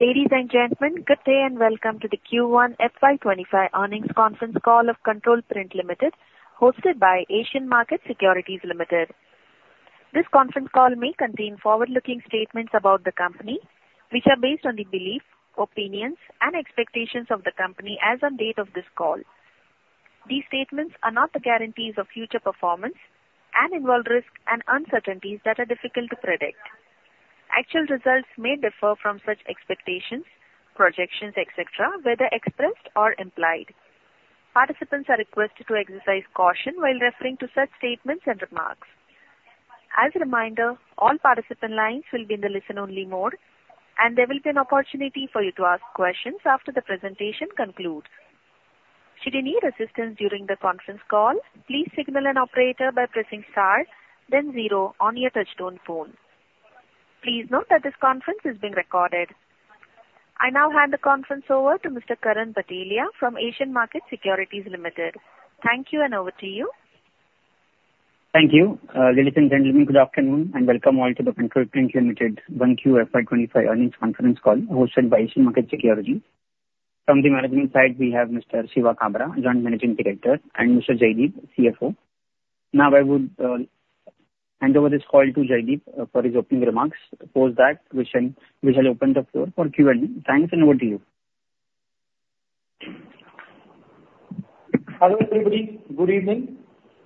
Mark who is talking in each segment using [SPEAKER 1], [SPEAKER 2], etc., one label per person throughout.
[SPEAKER 1] Ladies and gentlemen, good day, and welcome to the Q1 FY25 earnings conference call of Control Print Limited, hosted by Asian Markets Securities Limited. This conference call may contain forward-looking statements about the company, which are based on the belief, opinions, and expectations of the company as on date of this call. These statements are not the guarantees of future performance and involve risks and uncertainties that are difficult to predict. Actual results may differ from such expectations, projections, et cetera, whether expressed or implied. Participants are requested to exercise caution while referring to such statements and remarks. As a reminder, all participant lines will be in the listen-only mode, and there will be an opportunity for you to ask questions after the presentation concludes. Should you need assistance during the conference call, please signal an operator by pressing star then zero on your touchtone phone. Please note that this conference is being recorded. I now hand the conference over to Mr. Karan Bhatelia from Asian Markets Securities Limited. Thank you, and over to you.
[SPEAKER 2] Thank you. Ladies and gentlemen, good afternoon, and welcome all to the Control Print Limited Q1 FY 2025 earnings conference call hosted by Asian Market Securities. From the management side, we have Mr. Shiva Kabra, Joint Managing Director, and Mr. Jaideep Barve, CFO. Now I would hand over this call to Jaideep Barve for his opening remarks. Post that, we shall, we shall open the floor for Q&A. Thanks, and over to you.
[SPEAKER 3] Hello, everybody. Good evening.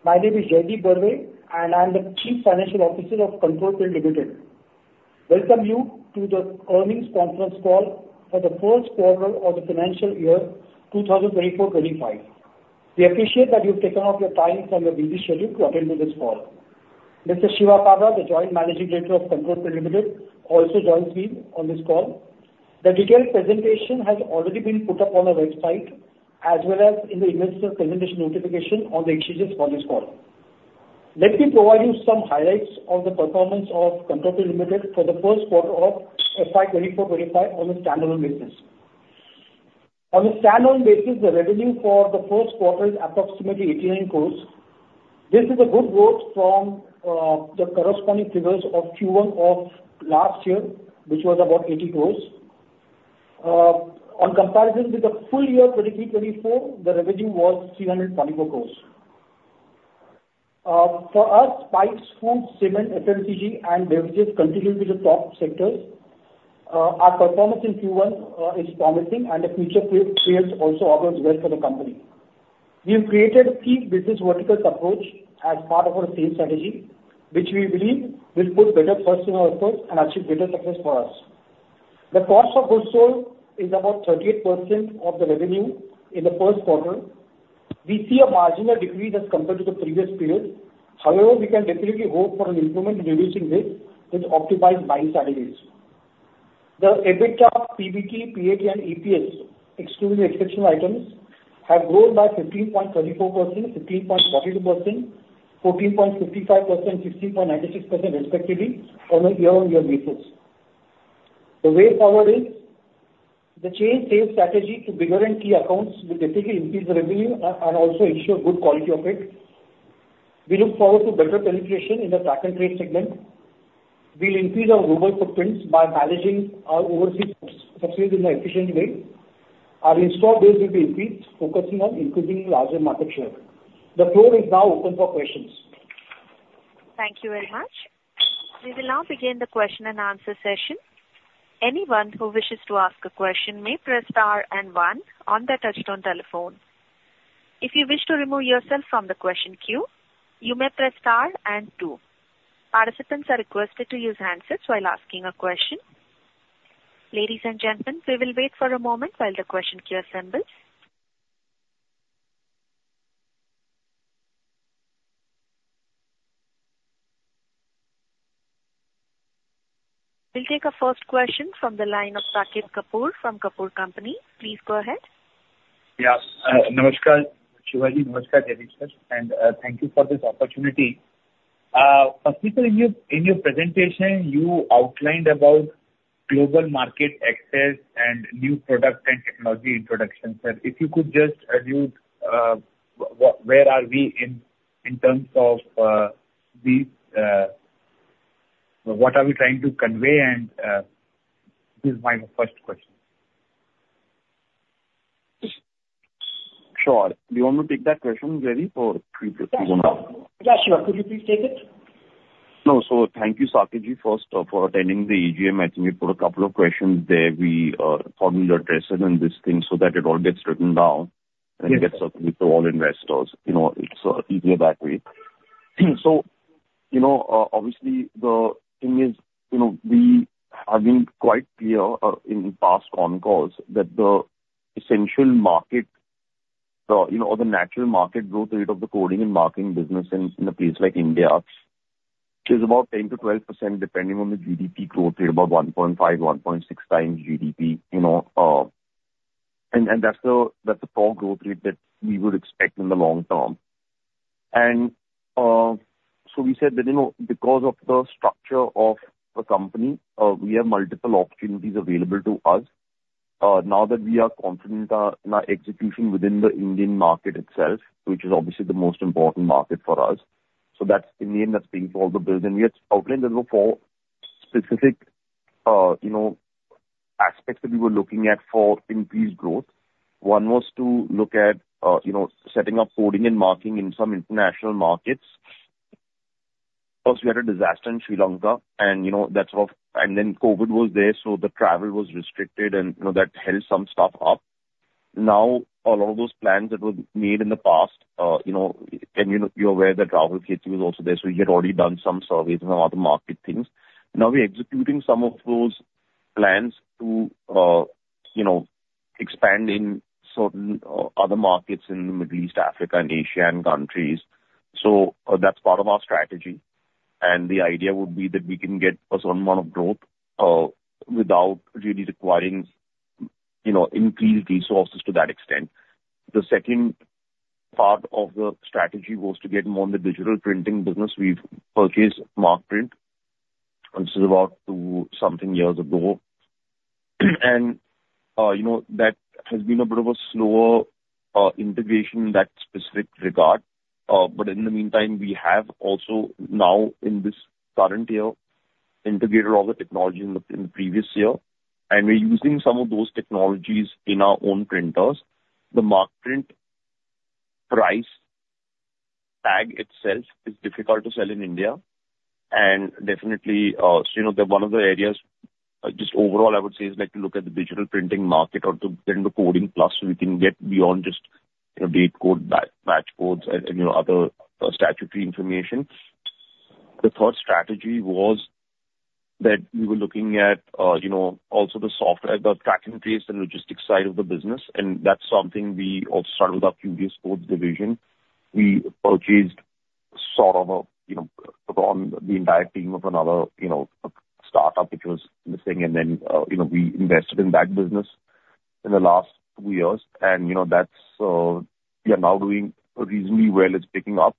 [SPEAKER 3] My name is Jaideep Barve, and I'm the Chief Financial Officer of Control Print Limited. Welcome you to the earnings conference call for the first quarter of the financial year 2024-2025. We appreciate that you've taken off your time from your busy schedule to attend to this call. Mr. Shiva Kabra, the Joint Managing Director of Control Print Limited, also joins me on this call. The detailed presentation has already been put up on our website as well as in the investment presentation notification on the exchanges for this call. Let me provide you some highlights of the performance of Control Print Limited for the first quarter of FY 2024-2025 on a standalone basis. On a standalone basis, the revenue for the first quarter is approximately 89 crore. This is a good growth from the corresponding figures of Q1 of last year, which was about 80 crores. On comparison with the full year 2023-2024, the revenue was 324 crores. For us, pipes, homes, cement, FMCG and beverages continue to be the top sectors. Our performance in Q1 is promising, and the future pathways also augurs well for the company. We have created key business verticals approach as part of our sales strategy, which we believe will put better first in our efforts and achieve better success for us. The cost of goods sold is about 38% of the revenue in the first quarter. We see a marginal decrease as compared to the previous period. However, we can definitely hope for an improvement in reducing this, which occupies my strategies. The EBITDA, PBT, PAT and EPS, excluding exceptional items, have grown by 15.24%, 15.42%, 14.55%, and 15.96% respectively on a year-on-year basis. The way forward is the change sales strategy to bigger and key accounts will definitely increase the revenue and also ensure good quality of it. We look forward to better penetration in the track and trace segment. We'll increase our global footprints by managing our overseas footprint facilities in an efficient way. Our install base will be increased, focusing on increasing larger market share. The floor is now open for questions.
[SPEAKER 1] Thank you very much. We will now begin the question and answer session. Anyone who wishes to ask a question may press star and one on their touchtone telephone. If you wish to remove yourself from the question queue, you may press star and two. Participants are requested to use handsets while asking a question. Ladies and gentlemen, we will wait for a moment while the question queue assembles. We'll take our first question from the line of Saket Kapoor from Kapoor & Company. Please go ahead.
[SPEAKER 4] Yeah. Namaskar, Shiva. Namaskar, Jaideep, sir, and thank you for this opportunity. Firstly, in your presentation, you outlined about global market access and new product and technology introduction. Sir, if you could just re- where are we in terms of the... What are we trying to convey, and this is my first question.
[SPEAKER 5] Sure. Do you want to take that question, Jaideep, or we just go on?
[SPEAKER 3] Yeah, sure. Could you please take it?
[SPEAKER 5] No. So thank you, Saket ji, first, for attending the AGM. I think you put a couple of questions there. We thought we'll address it in this thing so that it all gets written down-
[SPEAKER 4] Yes.
[SPEAKER 5] And gets circulated to all investors. You know, it's easier that way. So, you know, obviously, the thing is, you know, we have been quite clear in past on-calls that the essential market, the, you know, or the natural market growth rate of the coding and marking business in a place like India, which is about 10%-12%, depending on the GDP growth rate, about 1.5-1.6 times GDP, you know, and that's the top growth rate that we would expect in the long term. And so we said that, you know, because of the structure of the company, we have multiple opportunities available to us. Now that we are confident in our execution within the Indian market itself, which is obviously the most important market for us. That's, in the end, that's paying for all the bills. We had outlined as well for specific, you know, aspects that we were looking at for increased growth. One was to look at, you know, setting up coding and marking in some international markets. Plus, we had a disaster in Sri Lanka, and, you know, that's sort of and then COVID was there, so the travel was restricted, and, you know, that held some stuff up. Now, a lot of those plans that were made in the past, you know, and, you know, you're aware that travel gateway was also there, so we had already done some surveys and a lot of market things. Now we're executing some of those plans to, you know, expand in certain, other markets in the Middle East, Africa, and Asian countries. That's part of our strategy. The idea would be that we can get a certain amount of growth, without really requiring, you know, increased resources to that extent. The second part of the strategy was to get more on the digital printing business. We've purchased Markprint, and this is about two something years ago. You know, that has been a bit of a slower, integration in that specific regard. But in the meantime, we have also, now, in this current year, integrated all the technology in the, in the previous year, and we're using some of those technologies in our own printers. The Markprint price tag itself is difficult to sell in India, and definitely, so, you know, the one of the areas, just overall, I would say, is like to look at the digital printing market or to in the coding plus, so we can get beyond just, you know, date code, batch codes and, and, you know, other, statutory information. The third strategy was that we were looking at, you know, also the software, the track and trace and logistics side of the business, and that's something we also started with our V-Shapes division. We purchased sort of a, you know, on the entire team of another, you know, a startup which was missing. And then, you know, we invested in that business in the last two years. And, you know, that's, we are now doing reasonably well. It's picking up.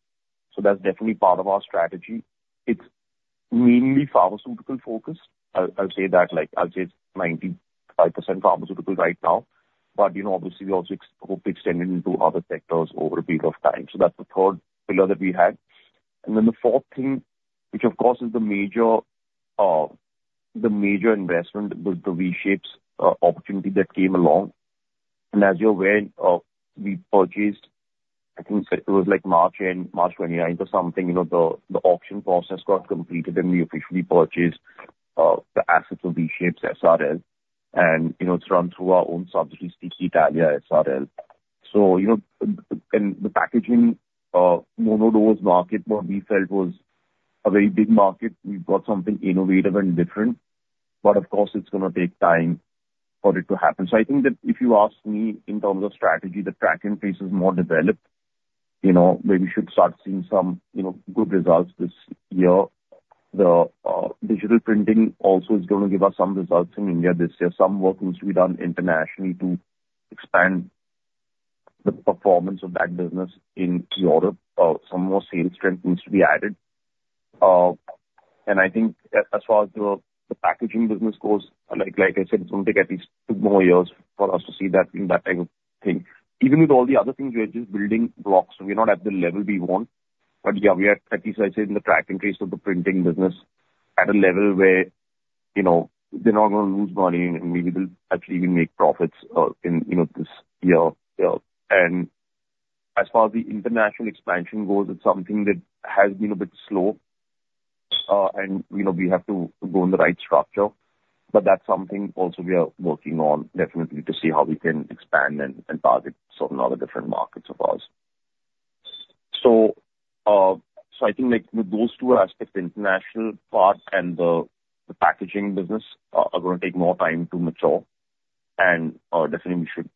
[SPEAKER 5] So that's definitely part of our strategy. It's mainly pharmaceutical focused. I'll, I'll say that, like, I'll say it's 95% pharmaceutical right now, but, you know, obviously, we also expect to extend it into other sectors over a period of time. So that's the third pillar that we had. And then the fourth thing, which of course is the major, the major investment, the V-Shapes opportunity that came along. And as you're aware, we purchased, I think it was like March end, March twenty-ninth or something, you know, the auction process got completed, and we officially purchased the assets of V-Shapes S.r.l., and, you know, it's run through our own subsidiary, Control Print Italia S.r.l. So, you know, and the packaging mono-dose market, what we felt was a very big market. We've got something innovative and different, but of course, it's gonna take time for it to happen. So I think that if you ask me in terms of strategy, the track and trace is more developed, you know, where we should start seeing some, you know, good results this year. The digital printing also is gonna give us some results in India this year. Some work needs to be done internationally to expand the performance of that business in Europe. Some more sales strength needs to be added. And I think as far as the, the packaging business goes, like, like I said, it's gonna take at least two more years for us to see that in that type of thing. Even with all the other things, we are just building blocks, and we're not at the level we want. But yeah, we are, at least I say, in the track and trace of the printing business, at a level where, you know, they're not gonna lose money, and maybe they'll actually even make profits, in, you know, this year. Yeah. And as far as the international expansion goes, it's something that has been a bit slow. And, you know, we have to, to go in the right structure. But that's something also we are working on definitely to see how we can expand and, and target certain other different markets of ours. So, so I think, like, with those two aspects, the international part and the, the packaging business, are gonna take more time to mature. Definitely we should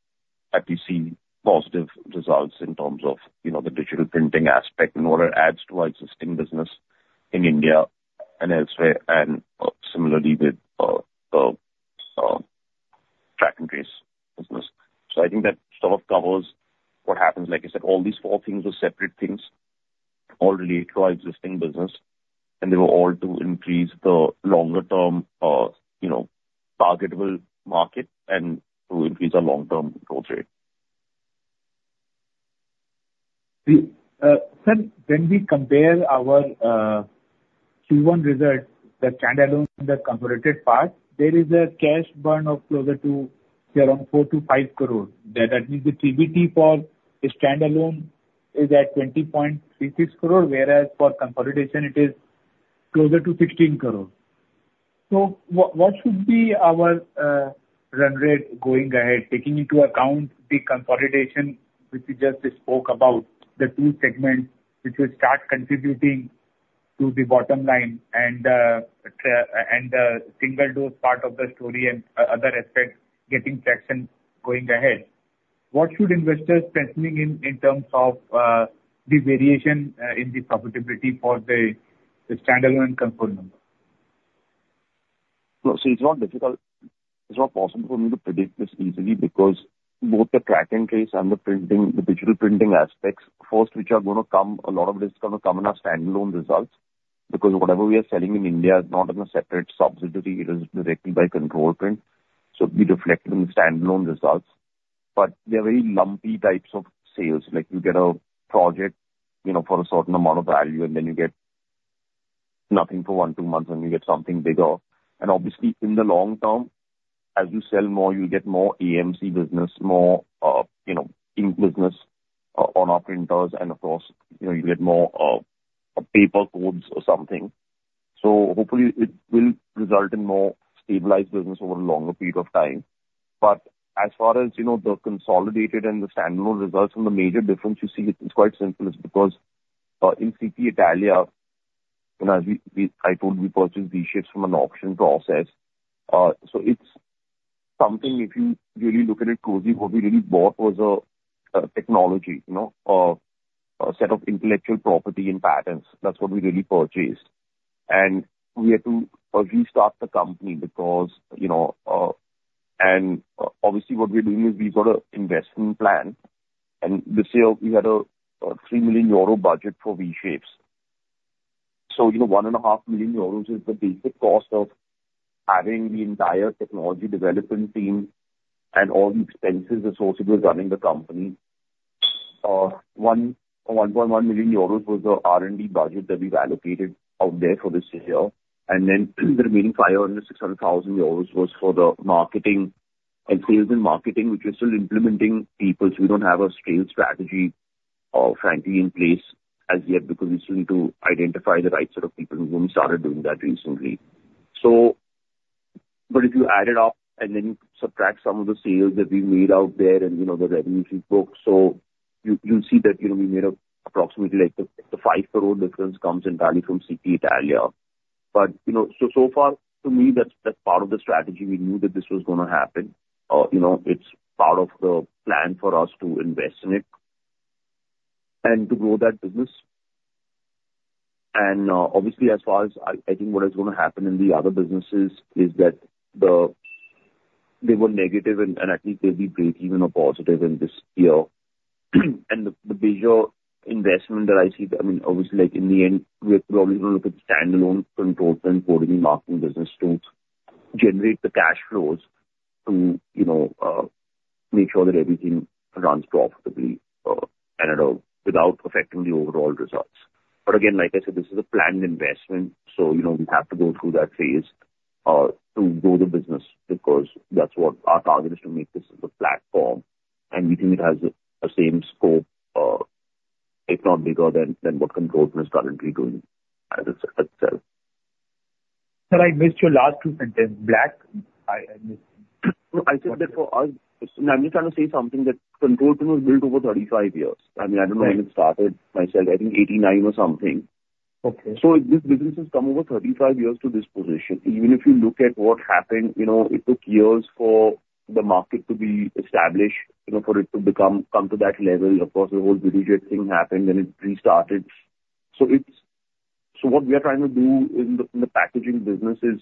[SPEAKER 5] at least see positive results in terms of, you know, the digital printing aspect in order it adds to our existing business in India and elsewhere, and, similarly with, track and trace business. So I think that sort of covers what happens. Like I said, all these four things are separate things, all relate to our existing business, and they were all to increase the longer term, you know, targetable market and to increase our long-term growth rate.
[SPEAKER 4] Sir, when we compare our Q1 results, the standalone, the consolidated part, there is a cash burn of closer to around 4 crore-5 crore. That means the PBT for the standalone is at 20.36 crore, whereas for consolidated it is closer to 16 crore. So what should be our run rate going ahead, taking into account the consolidation, which you just spoke about, the two segments which will start contributing to the bottom line and track and trace and the single dose part of the story and other aspects getting traction going ahead? What should investors pricing in, in terms of the variation in the profitability for the standalone control number?
[SPEAKER 5] So it's not difficult. It's not possible for me to predict this easily because both the track and trace and the printing, the digital printing aspects, first, which are gonna come, a lot of this is gonna come in our standalone results, because whatever we are selling in India is not in a separate subsidiary, it is directly by Control Print, so it be reflected in standalone results. But they are very lumpy types of sales, like you get a project, you know, for a certain amount of value, and then you get nothing for one, two months, and you get something bigger. And obviously, in the long term, as you sell more, you get more AMC business, more, you know, ink business on our printers and of course, you know, you get more of, of paper codes or something. So hopefully it will result in more stabilized business over a longer period of time. But as far as, you know, the consolidated and the standalone results and the major difference you see, it's quite simple, it's because, in CT Italia, you know, I told you we purchased V-Shapes from an auction process. So it's something, if you really look at it closely, what we really bought was a technology, you know, a set of intellectual property and patents. That's what we really purchased. And we had to restart the company because, you know... And obviously, what we're doing is we've got a investment plan, and this year we had a 3 million euro budget for V-Shapes. So, you know, 1.5 million euros is the basic cost of having the entire technology development team and all the expenses associated with running the company. One point one million euros was the R&D budget that we've allocated out there for this year. And then the remaining 500,000-600,000 euros was for the marketing and sales and marketing, which we're still implementing people. So we don't have a sales strategy, frankly, in place as yet, because we still need to identify the right set of people, and we started doing that recently. So, but if you add it up and then subtract some of the sales that we made out there and, you know, the revenue we booked, so you, you'll see that, you know, we made approximately, like, the, the 5 crore difference comes entirely from Control Print Italia. But, you know, so far, to me, that's part of the strategy. We knew that this was gonna happen. You know, it's part of the plan for us to invest in it and to grow that business. And, obviously, as far as I think what is gonna happen in the other businesses is that they were negative and I think they'll be breakeven or positive in this year. And the bigger investment that I see, I mean, obviously, like, in the end, we are probably gonna look at standalone Control Print for the marketing business to generate the cash flows to, you know, make sure that everything runs profitably and without affecting the overall results. But again, like I said, this is a planned investment, so, you know, we have to go through that phase to grow the business, because that's what our target is, to make this as a platform, and we think it has the same scope, if not bigger than what Control Print is currently doing as itself.
[SPEAKER 4] Sir, I missed your last two sentences. I missed.
[SPEAKER 5] No. I said that for us... I'm just trying to say something that Control Print was built over 35 years. I mean, I don't know-
[SPEAKER 4] Right.
[SPEAKER 5] when it started myself, I think 1989 or something.
[SPEAKER 4] Okay.
[SPEAKER 5] So this business has come over 35 years to this position. Even if you look at what happened, you know, it took years for the market to be established, you know, for it to become, come to that level. Of course, the whole Videojet thing happened, and it restarted. So it's so what we are trying to do in the packaging business is,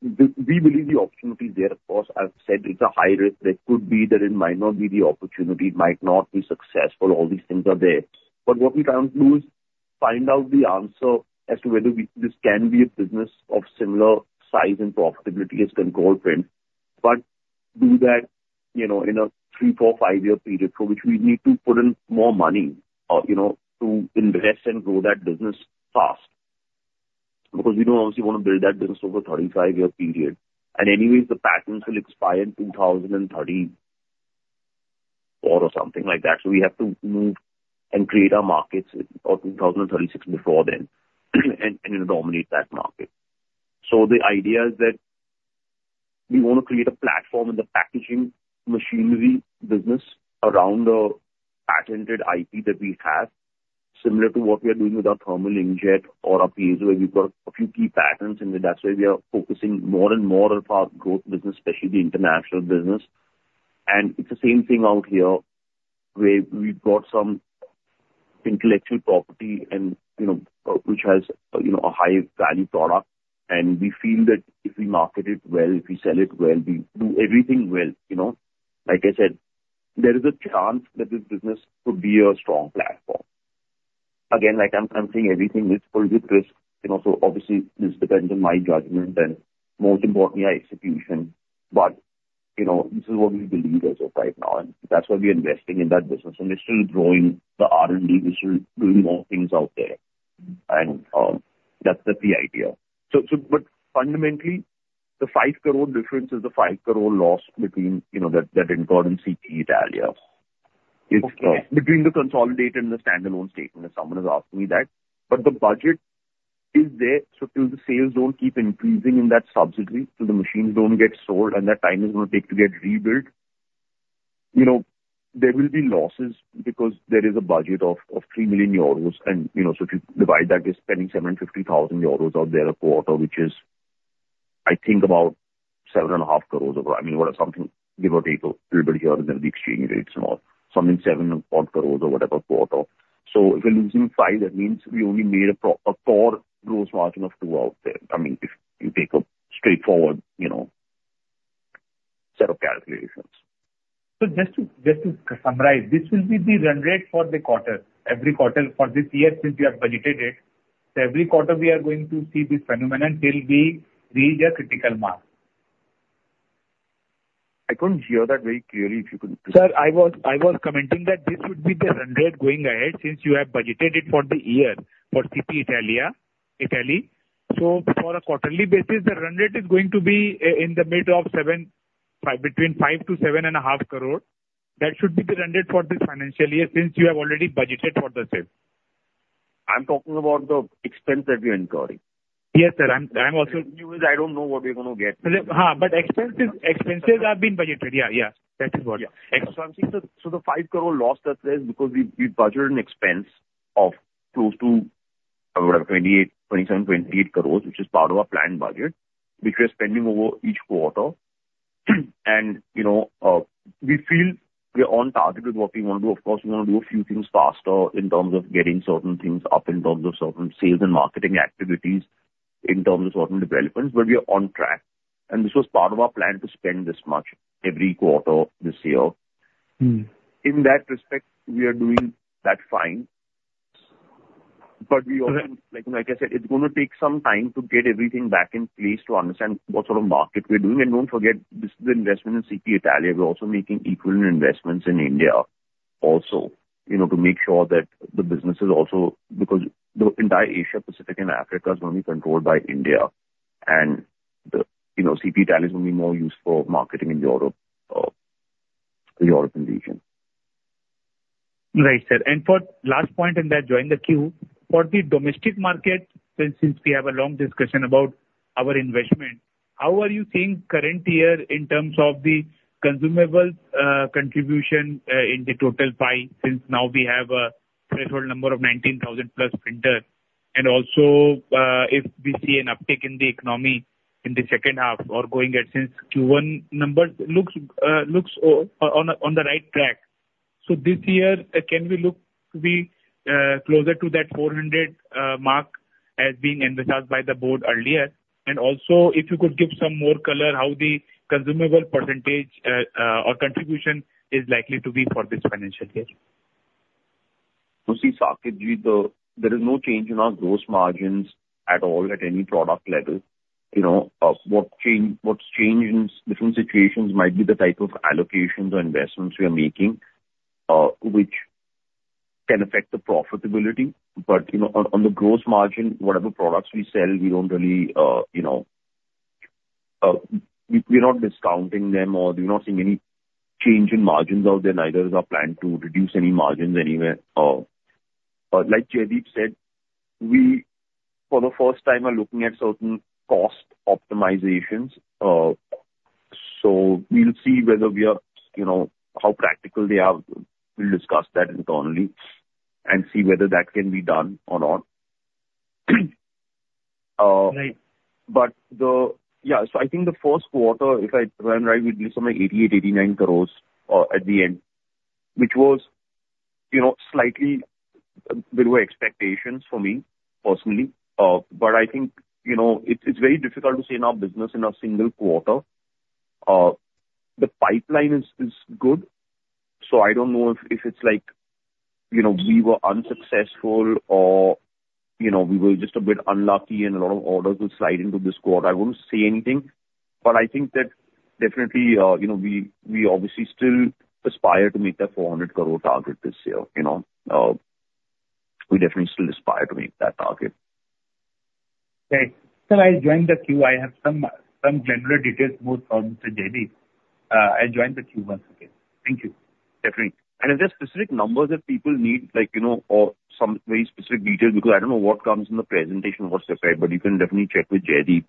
[SPEAKER 5] we believe the opportunity is there. Of course, as I've said, it's a high risk. There could be that it might not be the opportunity, it might not be successful. All these things are there. But what we're trying to do is find out the answer as to whether we—this can be a business of similar size and profitability as Control Print, but do that, you know, in a three, four, five year period, for which we need to put in more money, you know, to invest and grow that business fast. Because we don't obviously want to build that business over a 35-year period. And anyways, the patents will expire in 2034 or something like that. So we have to move and create our markets or 2036 before then, and, and dominate that market. So the idea is that we want to create a platform in the packaging machinery business around the patented IP that we have, similar to what we are doing with our thermal inkjet or our laser. We've got a few key patents in there, that's why we are focusing more and more on fast growth business, especially the international business. And it's the same thing out here, where we've got some intellectual property and, you know, which has, you know, a high value product. And we feel that if we market it well, if we sell it well, we do everything well, you know, like I said, there is a chance that this business could be a strong platform. Again, like I'm saying everything is filled with risk, you know, so obviously this depends on my judgment and most importantly, our execution. But, you know, this is what we believe as of right now, and that's why we are investing in that business. And we're still growing the R&D, we're still doing more things out there. And, that's the idea. But fundamentally, the 5 crore difference is the 5 crore loss between, you know, that that went on CT Italia.
[SPEAKER 4] Okay.
[SPEAKER 5] It's between the consolidated and the standalone statement, if someone is asking me that, but the budget is there, so till the sales don't keep increasing in that subsidiary, till the machines don't get sold and that time is gonna take to get rebuilt, you know, there will be losses because there is a budget of 3 million euros and, you know, so if you divide that, we're spending 750,000 euros out there a quarter, which is, I think about 7.5 crore over... I mean, what, something, give or take a little bit here and there, the exchange rates and all, something 7-odd crore or whatever quarter. So if you're losing five, that means we only made a poor core gross margin of two out there. I mean, if you take a straightforward, you know... set of calculations.
[SPEAKER 4] So just to summarize, this will be the run rate for the quarter, every quarter for this year, since we have budgeted it. So every quarter we are going to see this phenomenon till we reach a critical mark.
[SPEAKER 5] I couldn't hear that very clearly, if you could-
[SPEAKER 4] Sir, I was commenting that this would be the run rate going ahead, since you have budgeted for the year for CP Italia, Italy. So for a quarterly basis, the run rate is going to be in the mid of 7, between 5 crore-7.5 crore. That should be the run rate for this financial year, since you have already budgeted for the same.
[SPEAKER 5] I'm talking about the expense that we're incurring.
[SPEAKER 4] Yes, sir, I'm also-
[SPEAKER 5] Because I don't know what we're going to get.
[SPEAKER 4] Huh, but expenses, expenses have been budgeted. Yeah, yeah, that is what.
[SPEAKER 5] Yeah. So I'm seeing the... So the 5 crore loss that there is because we budgeted an expense of close to 27-28 crores, which is part of our planned budget, which we're spending over each quarter. And, you know, we feel we are on target with what we want to do. Of course, we want to do a few things faster in terms of getting certain things up, in terms of certain sales and marketing activities, in terms of certain developments, but we are on track. And this was part of our plan to spend this much every quarter this year.
[SPEAKER 4] Mm.
[SPEAKER 5] In that respect, we are doing that fine. But we also-
[SPEAKER 4] Right.
[SPEAKER 5] Like, like I said, it's gonna take some time to get everything back in place to understand what sort of market we're doing. And don't forget, this is the investment in CP Italia. We're also making equivalent investments in India also, you know, to make sure that the business is also... Because the entire Asia-Pacific and Africa is going to be controlled by India, and the, you know, CP Italia is going to be more used for marketing in Europe, the European region.
[SPEAKER 4] Right, sir. For last point, I join the queue, for the domestic market, since we have a long discussion about our investment, how are you seeing current year in terms of the consumables contribution in the total pie, since now we have a threshold number of 19,000+ printers? And also, if we see an uptick in the economy in the second half or going forward since Q1 numbers looks on the right track. So this year, can we look to be closer to that 400 mark as being emphasized by the board earlier? And also, if you could give some more color how the consumables percentage or contribution is likely to be for this financial year.
[SPEAKER 5] You see, Saket, there is no change in our gross margins at all at any product level. You know, what's changed in different situations might be the type of allocations or investments we are making, which can affect the profitability. But, you know, on the gross margin, whatever products we sell, we don't really, you know, we're not discounting them or we're not seeing any change in margins out there, neither is our plan to reduce any margins anywhere. But like Jaideep said, we, for the first time, are looking at certain cost optimizations. So we'll see whether we are, you know, how practical they are. We'll discuss that internally and see whether that can be done or not.
[SPEAKER 4] Right.
[SPEAKER 5] Yeah, so I think the first quarter, if I remember right, we released some 88-89 croreS at the end, which was, you know, slightly below expectations for me, personally. But I think, you know, it's very difficult to see in our business in a single quarter. The pipeline is good, so I don't know if it's like, you know, we were unsuccessful or, you know, we were just a bit unlucky and a lot of orders will slide into this quarter. I wouldn't say anything, but I think that definitely, you know, we obviously still aspire to meet that 400 crore target this year, you know? We definitely still aspire to meet that target.
[SPEAKER 4] Okay. Sir, I'll join the queue. I have some general details more from Jaideep. I'll join the queue once again. Thank you.
[SPEAKER 5] Definitely. And if there's specific numbers that people need, like, you know, or some very specific details, because I don't know what comes in the presentation, what's different, but you can definitely check with Jaideep.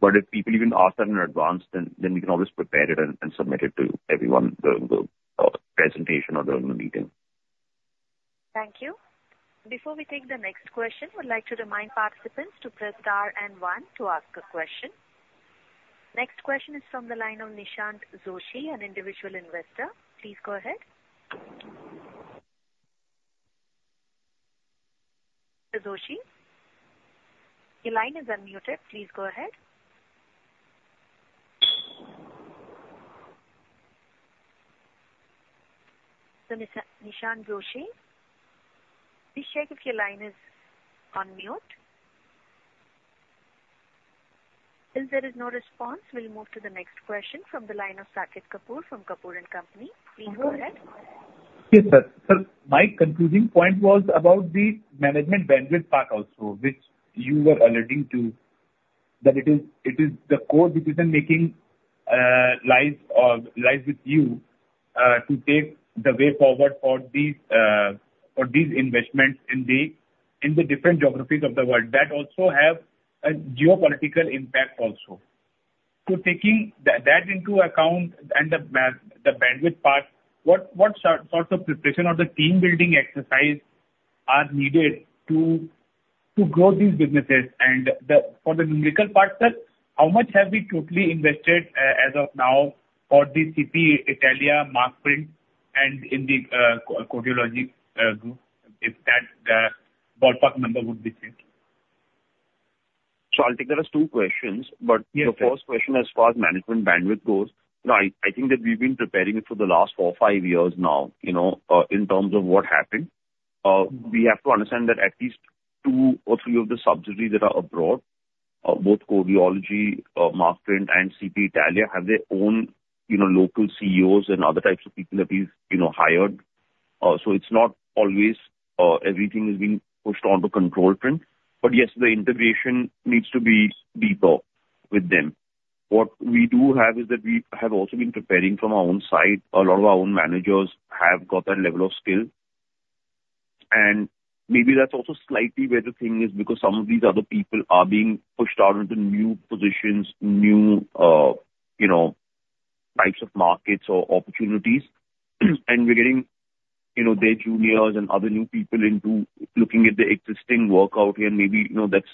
[SPEAKER 5] But if people even ask that in advance, then we can always prepare it and submit it to everyone, the presentation or during the meeting.
[SPEAKER 1] Thank you. Before we take the next question, I would like to remind participants to press star and one to ask a question. Next question is from the line of Nishant Joshi, an individual investor. Please go ahead. Mr. Joshi, your line is unmuted. Please go ahead. So, Nishant Joshi, please check if your line is on mute. Since there is no response, we'll move to the next question from the line of Saket Kapoor, from Kapoor & Company. Please go ahead.
[SPEAKER 4] Yes, sir. Sir, my concluding point was about the management bandwidth part also, which you were alluding to. That it is, it is the core decision-making, lies with you to take the way forward for these, for these investments in the, in the different geographies of the world, that also have a geopolitical impact also. So taking that into account and the bandwidth part, what sorts of preparation or the team-building exercise are needed to grow these businesses? And for the numerical part, sir, how much have we totally invested as of now for the CP Italia Markprint and in the Codeology group? If that ballpark number would be thank you....
[SPEAKER 5] So I'll take that as two questions, but-
[SPEAKER 4] Yeah.
[SPEAKER 5] The first question, as far as management bandwidth goes, no, I think that we've been preparing it for the last four to five years now, you know, in terms of what happened. We have to understand that at least two or three of the subsidiaries that are abroad, both Codeology, Markprint, and CP Italia, have their own, you know, local CEOs and other types of people that we've, you know, hired. So it's not always, everything is being pushed onto Control Print, but yes, the integration needs to be deeper with them. What we do have is that we have also been preparing from our own side, a lot of our own managers have got that level of skill. And maybe that's also slightly where the thing is, because some of these other people are being pushed out into new positions, new, you know, types of markets or opportunities. And we're getting, you know, their juniors and other new people into looking at the existing workout, and maybe, you know, that's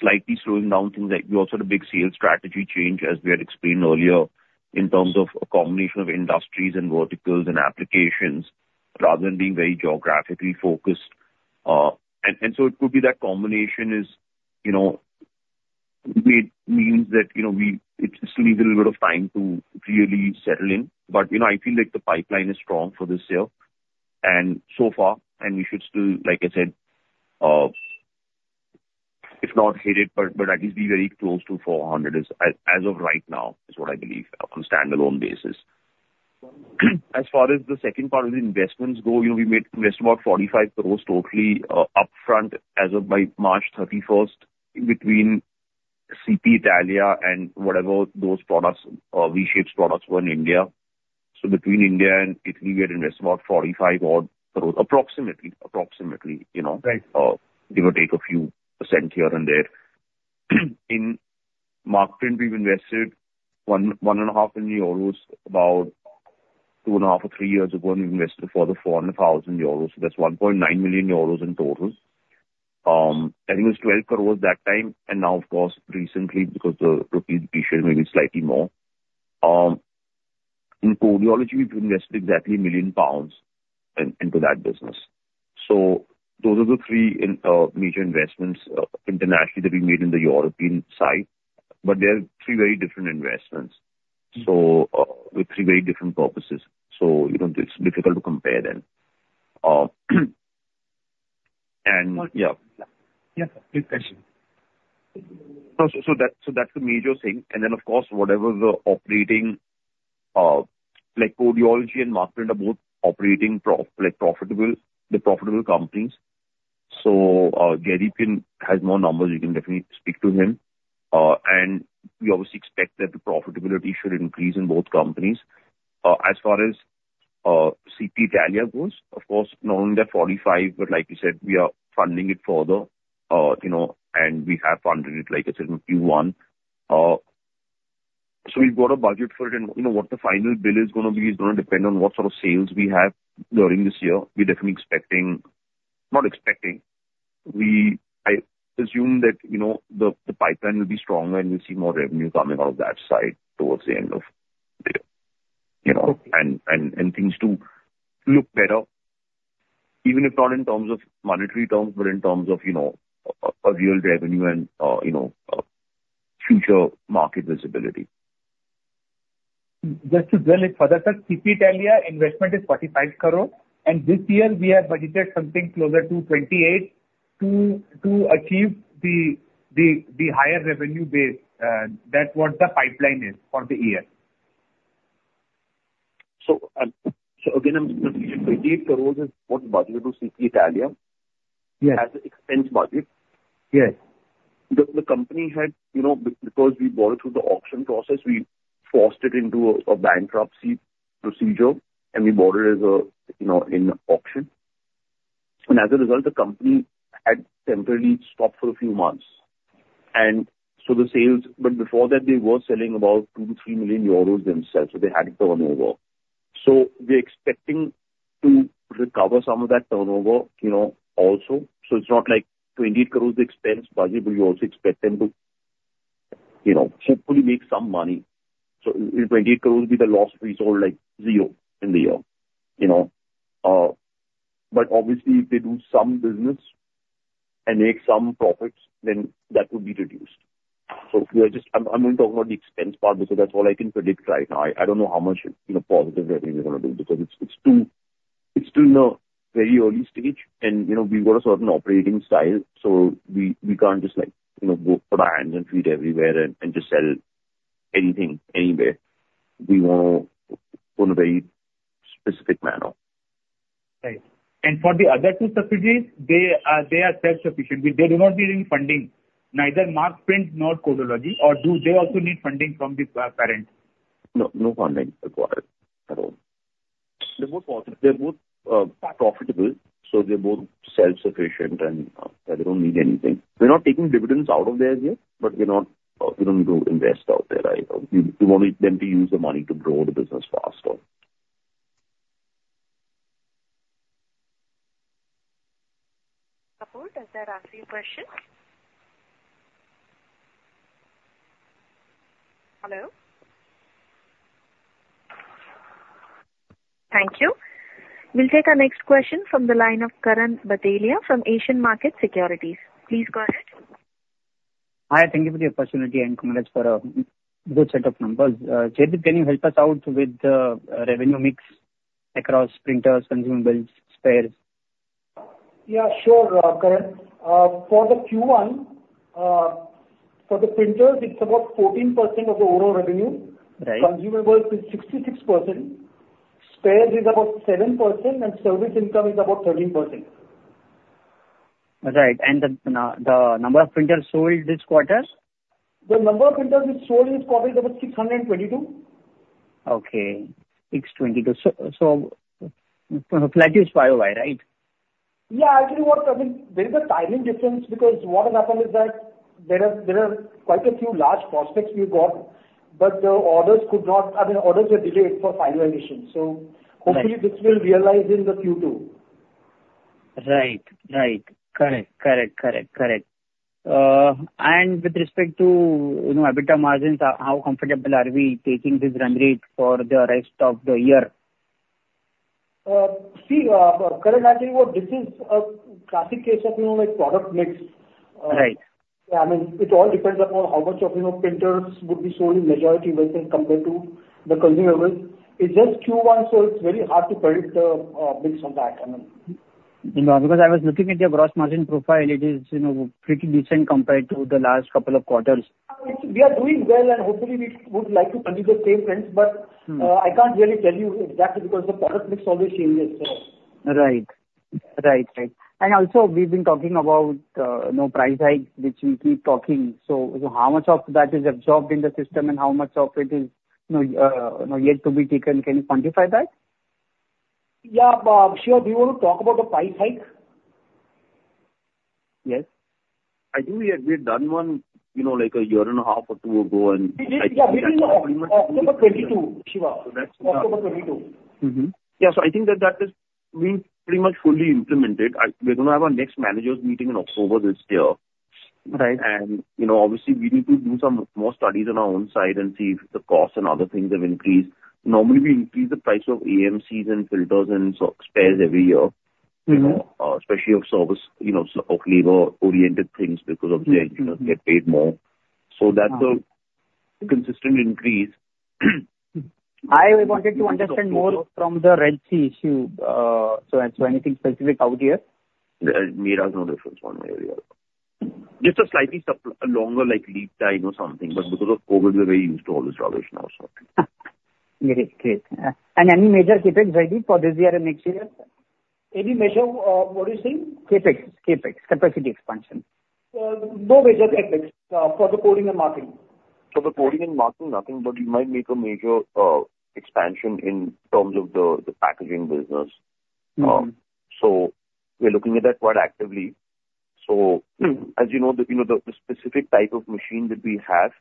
[SPEAKER 5] slightly slowing down things, like, we also had a big sales strategy change, as we had explained earlier, in terms of a combination of industries and verticals and applications, rather than being very geographically focused. And so it could be that combination is, you know, means that, you know, it just needs a little bit of time to really settle in. But, you know, I feel like the pipeline is strong for this year, and so far, and we should still, like I said, if not hit it, but, but at least be very close to 400 crore as of right now, is what I believe on a standalone basis. As far as the second part of the investments go, you know, we made invest about 45 crore totally, upfront, as of by March thirty-first, between CP Italia and whatever those products, V-Shapes products were in India. So between India and Italy, we had invested about 45 odd crore, approximately, approximately, you know?
[SPEAKER 4] Right.
[SPEAKER 5] Give or take a few % here and there. In Markprint, we've invested 1.5 million euros about 2.5 or 3 years ago, and we invested further 400,000 euros. So that's 1.9 million euros in total. I think it was 12 crore that time, and now, of course, recently, because the rupee depreciate maybe slightly more. In Codeology, we've invested exactly 1 million pounds into that business. So those are the three, in, major investments, internationally, that we made in the European side. But they are three very different investments.
[SPEAKER 4] Mm.
[SPEAKER 5] With three very different purposes. You know, it's difficult to compare them. And yeah.
[SPEAKER 4] Yeah, please continue.
[SPEAKER 5] So that's the major thing. And then, of course, whatever the operating, like, Codeology and Markprint are both operating pro- like, profitable, they're profitable companies. So Jaideep has more numbers, you can definitely speak to him. And we obviously expect that the profitability should increase in both companies. As far as CP Italia goes, of course, not only that 45 crore, but like you said, we are funding it further, you know, and we have funded it, like I said, in Q1. So we've got a budget for it, and, you know, what the final bill is gonna be is gonna depend on what sort of sales we have during this year. We're definitely expecting... not expecting, I assume that, you know, the pipeline will be stronger, and we'll see more revenue coming out of that side towards the end of the year.
[SPEAKER 4] Okay.
[SPEAKER 5] You know, things do look better, even if not in terms of monetary terms, but in terms of, you know, a real revenue and, you know, future market visibility.
[SPEAKER 4] Just to drill it further, sir, CP Italia investment is INR 45 crore, and this year we have budgeted something closer to INR 28 crore to achieve the higher revenue base than what the pipeline is for the year.
[SPEAKER 5] So again, I'm, INR 28 crore is what's budgeted to CP Italia?
[SPEAKER 4] Yes.
[SPEAKER 5] As an expense budget?
[SPEAKER 4] Yes.
[SPEAKER 5] The company had, you know, because we bought it through the auction process, we forced it into a bankruptcy procedure, and we bought it as, you know, in auction. And as a result, the company had temporarily stopped for a few months. And so the sales... But before that, they were selling about 2 million-3 million euros themselves, so they had turnover. So we are expecting to recover some of that turnover, you know, also. So it's not like INR 20 crore expense budget, we also expect them to, you know, hopefully make some money. So if 20 crore be the loss result like zero in the year, you know. But obviously if they do some business and make some profits, then that would be reduced. So we are just... I'm only talking about the expense part because that's all I can predict right now. I don't know how much, you know, positive revenue they're gonna do, because it's still in a very early stage and, you know, we've got a certain operating style, so we can't just like, you know, go put our hands and feet everywhere and just sell anything, anywhere. We want to go in a very specific manner.
[SPEAKER 4] Right. And for the other two subsidiaries, they are self-sufficient, they do not need any funding, neither Markprint nor Codeology, or do they also need funding from the parent?
[SPEAKER 5] No, no funding required at all. They're both, they're both profitable, so they're both self-sufficient and they don't need anything. We're not taking dividends out of there yet, but we're not, we don't invest out there, right? We, we want them to use the money to grow the business faster.
[SPEAKER 1] Support, does that answer your question? Hello?... Thank you. We'll take our next question from the line of Karan Bhatelia from Asian Market Securities. Please go ahead.
[SPEAKER 2] Hi, thank you for the opportunity, and congrats for a good set of numbers. Jaideep, can you help us out with the revenue mix across printers, consumables, spares?
[SPEAKER 3] Yeah, sure, Karan. For the Q1, for the printers, it's about 14% of the overall revenue.
[SPEAKER 2] Right.
[SPEAKER 3] Consumables is 66%, spares is about 7%, and service income is about 13%.
[SPEAKER 2] Right. And the number of printers sold this quarter?
[SPEAKER 3] The number of printers we sold this quarter is about 622.
[SPEAKER 2] Okay, 622. So, flat units year-over-year, right?
[SPEAKER 3] Yeah, actually, what I mean, there is a timing difference, because what has happened is that there are quite a few large prospects we've got, but the orders could not... I mean, orders were delayed for finalization.
[SPEAKER 2] Right.
[SPEAKER 3] Hopefully this will realize in the Q2.
[SPEAKER 2] Right. Right. Correct, correct, correct, correct. And with respect to, you know, EBITDA margins, how, how comfortable are we taking this run rate for the rest of the year?
[SPEAKER 3] Karan, actually, well, this is a classic case of, you know, like, product mix.
[SPEAKER 2] Right.
[SPEAKER 3] I mean, it all depends upon how much of, you know, printers would be sold in majority versus compared to the consumables. It's just Q1, so it's very hard to predict the mix on that, I mean.
[SPEAKER 2] You know, because I was looking at your gross margin profile, it is, you know, pretty decent compared to the last couple of quarters.
[SPEAKER 3] We are doing well, and hopefully we would like to continue the same trends.
[SPEAKER 2] Mm.
[SPEAKER 3] But, I can't really tell you exactly, because the product mix always changes.
[SPEAKER 2] Right. Right, right. And also, we've been talking about, you know, price hike, which we keep talking. So, how much of that is absorbed in the system, and how much of it is, you know, yet to be taken? Can you quantify that?
[SPEAKER 3] Yeah, sure. Do you want to talk about the price hike?
[SPEAKER 2] Yes.
[SPEAKER 5] I do. Yeah, we've done one, you know, like a year and a half or two ago, and
[SPEAKER 3] Yeah, we did October 2022, Shiva. October 2022.
[SPEAKER 5] Yeah, so I think that that is being pretty much fully implemented. We're gonna have our next managers meeting in October this year.
[SPEAKER 2] Right.
[SPEAKER 5] You know, obviously, we need to do some more studies on our own side and see if the cost and other things have increased. Normally, we increase the price of AMCs and filters and so spares every year.
[SPEAKER 2] Mm-hmm.
[SPEAKER 5] You know, especially of service, you know, of labor-oriented things, because-
[SPEAKER 2] Mm-hmm.
[SPEAKER 5] Obviously, you know, they get paid more. So that's a consistent increase.
[SPEAKER 2] I wanted to understand more from the Red Sea issue. So, anything specific out here?
[SPEAKER 5] Mira has no reference point really. Just a slightly longer, like, lead time or something. But because of COVID, we're very used to all this rubbish now, so.
[SPEAKER 2] Great, great. Any major CapEx ready for this year and next year?
[SPEAKER 3] Any major, what are you saying?
[SPEAKER 2] CapEx, CapEx. Capacity expansion.
[SPEAKER 3] No major CapEx for the coding and marking.
[SPEAKER 5] For the coding and marking, nothing, but we might make a major expansion in terms of the packaging business.
[SPEAKER 2] Mm-hmm.
[SPEAKER 5] So we're looking at that quite actively. So, as you know, you know, the specific type of machine that we have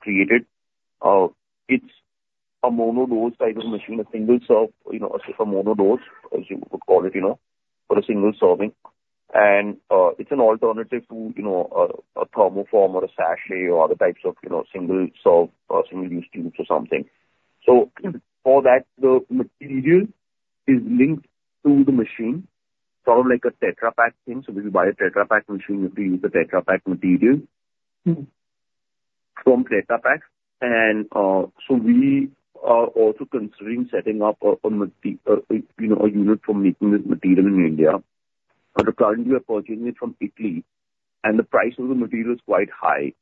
[SPEAKER 5] created, it's a mono-dose type of machine, a single serve, you know, a mono-dose, as you would call it, you know, for a single serving. And it's an alternative to, you know, a thermoform or a sachet or other types of, you know, single serve single-use tubes or something. So, for that, the material is linked to the machine, sort of like a Tetra Pak thing. So this is by a Tetra Pak machine, we have to use the Tetra Pak material-
[SPEAKER 2] Mm.
[SPEAKER 5] from Tetra Pak. So we are also considering setting up a unit for making this material in India. But currently we are purchasing it from Italy, and the price of the material is quite high,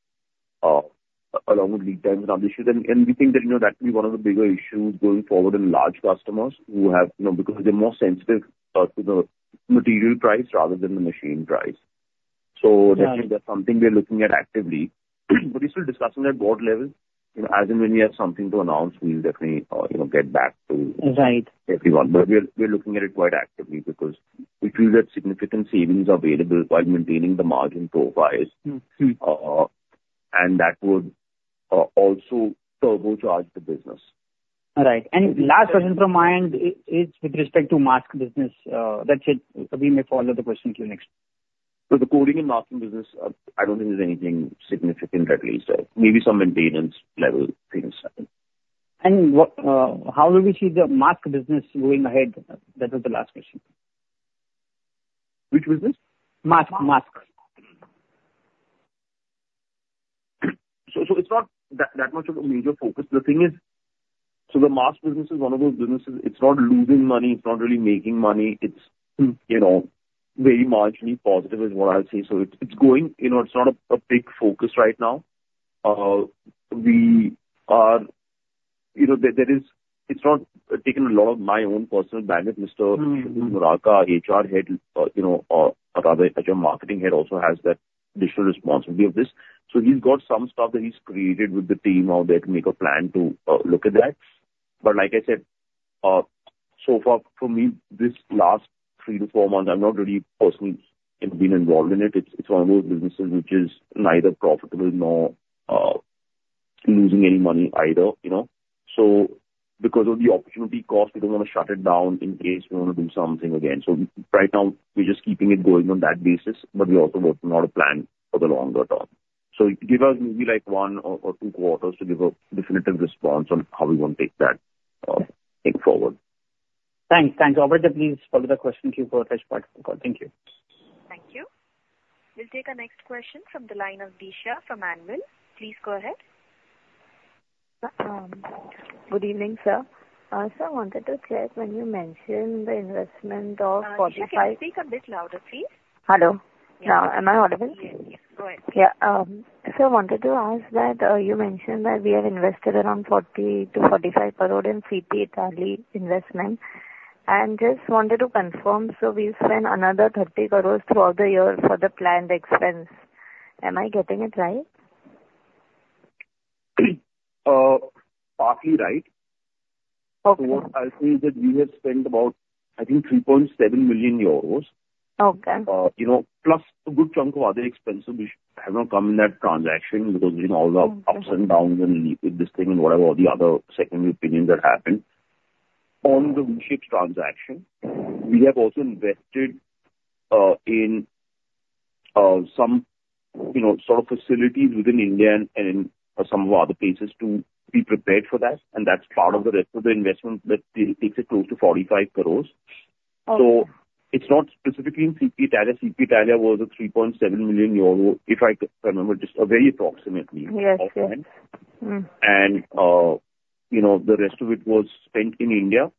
[SPEAKER 5] along with lead times and other issues. And we think that, you know, that will be one of the bigger issues going forward in large customers who have, you know, because they're more sensitive to the material price rather than the machine price.
[SPEAKER 2] Right.
[SPEAKER 5] So that's, that's something we are looking at actively, but we're still discussing at board level. You know, as and when we have something to announce, we'll definitely, you know, get back to-
[SPEAKER 2] Right.
[SPEAKER 5] - everyone. But we're looking at it quite actively because we feel that significant savings are available while maintaining the margin profiles.
[SPEAKER 2] Mm-hmm.
[SPEAKER 5] That would also turbocharge the business.
[SPEAKER 2] Right. And last question from my end is with respect to mask business. That's it. We may follow the question till next.
[SPEAKER 5] So the coding and marking business, I don't think there's anything significant, at least maybe some maintenance level things.
[SPEAKER 2] What, how do we see the mask business going ahead? That was the last question.
[SPEAKER 5] Which business?
[SPEAKER 2] Mask, mask.
[SPEAKER 5] So, it's not that much of a major focus. The thing is, the mask business is one of those businesses, it's not losing money, it's not really making money. It's, you know, very marginally positive, is what I'll say. So it's going... You know, it's not a big focus right now. We are, you know, there is—it's not taken a lot of my own personal bandwidth.
[SPEAKER 2] Mm-hmm.
[SPEAKER 5] Mr. Murarka, HR head, you know, or rather, actual marketing head, also has that additional responsibility of this. So he's got some stuff that he's created with the team out there to make a plan to look at that. But like I said, so far for me, this last three to four months, I've not really personally, you know, been involved in it. It's one of those businesses which is neither profitable nor losing any money either, you know? So because of the opportunity cost, we don't want to shut it down in case we want to do something again. So right now, we're just keeping it going on that basis, but we're also working on a plan for the longer term. Give us maybe like one or two quarters to give a definitive response on how we want to take that thing forward.
[SPEAKER 2] Thanks. Thanks. Operator, please follow the question queue for fresh part. Thank you.
[SPEAKER 1] Thank you. We'll take our next question from the line of Disha from Anvil. Please go ahead.
[SPEAKER 6] Good evening, sir. Sir, I wanted to check when you mentioned the investment of 45-
[SPEAKER 1] Disha, can you speak a bit louder, please?
[SPEAKER 6] Hello. Now, am I audible?
[SPEAKER 1] Yes, yes. Go ahead.
[SPEAKER 6] Yeah. So I wanted to ask that, you mentioned that we have invested around 40 crore-45 crore in CP Italia investment. I just wanted to confirm, so we spend another 30 crore throughout the year for the planned expense. Am I getting it right?
[SPEAKER 5] Partly right.
[SPEAKER 6] Okay.
[SPEAKER 5] What I'll say is that we have spent about, I think, 3.7 million euros.
[SPEAKER 6] Okay.
[SPEAKER 5] You know, plus a good chunk of other expenses which have not come in that transaction because, you know, all the ups and downs and this thing and whatever, all the other secondary opinions that happened. On the V-Shapes transaction, we have also invested in some, you know, sort of facilities within India and some other places to be prepared for that, and that's part of the rest of the investment that takes it close to 45 crore.
[SPEAKER 6] Okay.
[SPEAKER 5] So it's not specifically in CP Italia. CP Italia was a 3.7 million euro, if I remember this, very approximately.
[SPEAKER 6] Yes, yes.
[SPEAKER 5] Okay.
[SPEAKER 6] Mm-hmm.
[SPEAKER 5] you know, the rest of it was spent in India,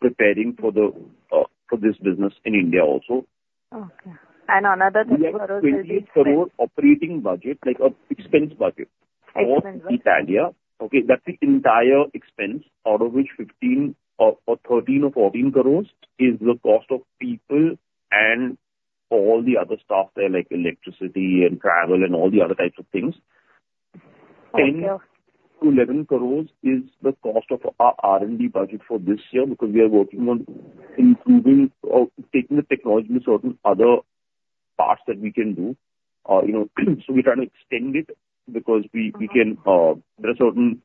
[SPEAKER 5] preparing for the, for this business in India also.
[SPEAKER 6] Okay. And another INR 30 crore will be spent-
[SPEAKER 5] We have 20 crore operating budget, like, expense budget-
[SPEAKER 6] Expense, right...
[SPEAKER 5] for Italy. Okay, that's the entire expense, out of which 15 crore or, or 13 crore or 14 crore is the cost of people and all the other staff there, like electricity and travel and all the other types of things.
[SPEAKER 6] Okay.
[SPEAKER 5] Ten to 11 crores is the cost of our R&D budget for this year, because we are working on improving or taking the technology to certain other parts that we can do. You know, so we're trying to extend it, because we can, there are certain...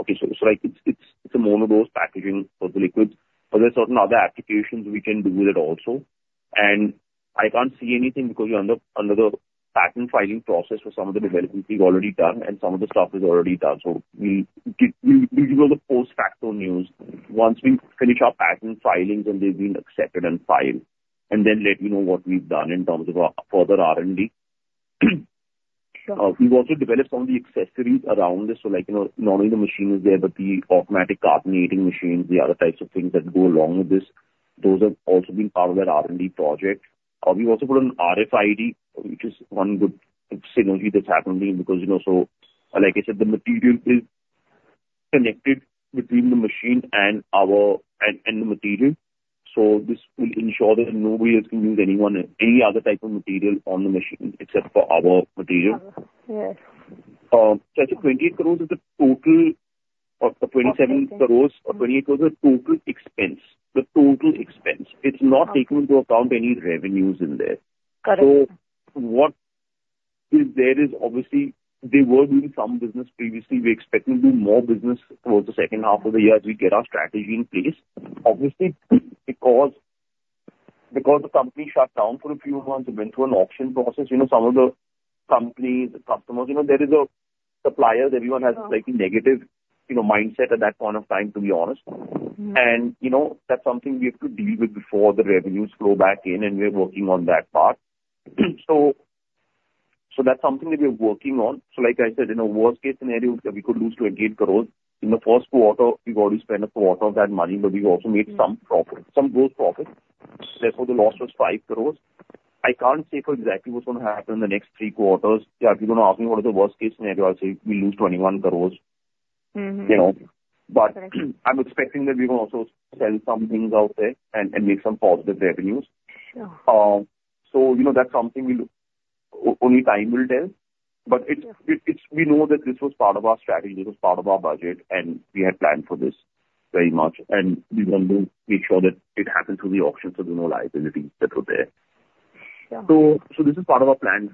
[SPEAKER 5] Okay, so, like, it's a mono-dose packaging for the liquids, but there are certain other applications we can do with it also. And I can't say anything because we're under the patent filing process for some of the developments we've already done, and some of the stuff is already done. So we give all the post-facto news once we finish our patent filings, and they've been accepted and filed, and then let you know what we've done in terms of our further R&D.
[SPEAKER 6] Sure.
[SPEAKER 5] We've also developed some of the accessories around this. So like, you know, not only the machine is there, but the automatic cartoning machines, the other types of things that go along with this, those have also been part of that R&D project. We've also put an RFID, which is one good synergy that's happening, because, you know, so like I said, the material is connected between the machine and our... and the material. So this will ensure that nobody else can use any other type of material on the machine except for our material.
[SPEAKER 6] Uh, yes.
[SPEAKER 5] So I think 28 crores is the total of the 27 crores or 28 crores is total expense. The total expense.
[SPEAKER 6] Okay.
[SPEAKER 5] It's not taking into account any revenues in there.
[SPEAKER 6] Correct.
[SPEAKER 5] So what is there is obviously they were doing some business previously. We expect to do more business towards the second half of the year as we get our strategy in place. Obviously, because, because the company shut down for a few months and went through an auction process, you know, some of the companies, the customers, you know, there is a supplier that everyone-
[SPEAKER 6] Yeah...
[SPEAKER 5] has a slightly negative, you know, mindset at that point of time, to be honest.
[SPEAKER 6] Mm-hmm.
[SPEAKER 5] You know, that's something we have to deal with before the revenues flow back in, and we are working on that part. So, so that's something that we are working on. So like I said, in a worst case scenario, we could lose 28 crores. In the first quarter, we've already spent a lot of that money, but we've also made some profit, some good profit. Therefore, the loss was 5 crores. I can't say exactly what's gonna happen in the next three quarters. If you're gonna ask me what is the worst case scenario, I'll say we lose 21 crores.
[SPEAKER 6] Mm-hmm.
[SPEAKER 5] You know?
[SPEAKER 6] Correct.
[SPEAKER 5] But I'm expecting that we will also sell some things out there and make some positive revenues.
[SPEAKER 6] Sure.
[SPEAKER 5] So you know, that's something only time will tell.
[SPEAKER 6] Sure.
[SPEAKER 5] But it's... We know that this was part of our strategy, this was part of our budget, and we had planned for this very much, and we want to make sure that it happened through the auction, so there's no liabilities that were there.
[SPEAKER 6] Yeah.
[SPEAKER 5] So this is part of our planned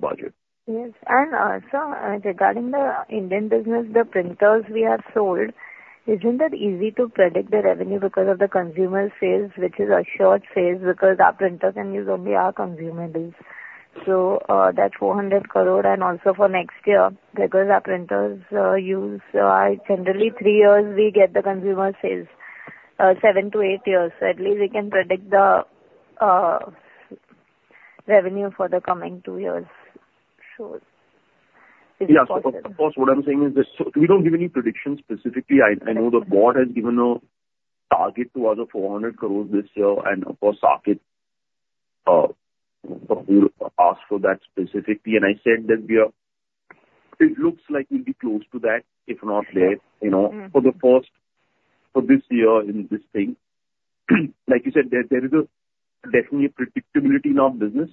[SPEAKER 5] budget.
[SPEAKER 6] Yes. And, sir, regarding the Indian business, the printers we have sold, isn't that easy to predict the revenue because of the consumer sales, which is assured sales because our printer can use only our consumables? So, that's 400 crore, and also for next year, because our printers use generally three years, we get the consumer sales seven to eight years. So at least we can predict the revenue for the coming two years. Sure.
[SPEAKER 5] Yeah. So of course, what I'm saying is this, so we don't give any predictions specifically.
[SPEAKER 6] Mm-hmm.
[SPEAKER 5] I know the board has given a target to other 400 crore this year, and of course, Saket asked for that specifically, and I said that we are... It looks like we'll be close to that, if not there, you know.
[SPEAKER 6] Mm-hmm.
[SPEAKER 5] For the first, for this year in this thing. Like you said, there, there is definitely a predictability in our business,